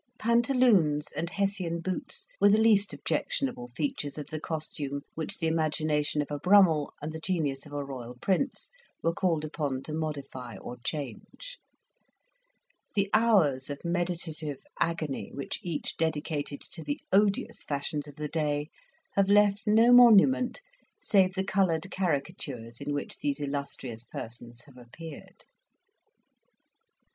Pantaloons and Hessian boots were the least objectionable features of the costume which the imagination of a Brummell and the genius of a Royal Prince were called upon to modify or change. The hours of meditative agony which each dedicated to the odious fashions of the day have left no monument save the coloured caricatures in which these illustrious persons have appeared.